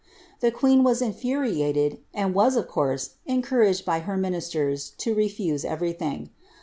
T!ie queen wis infit rialed, and was, of course, encouraged by her minister:! to refuse ererr thing.